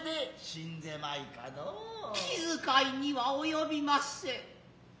気遣ひには及びません。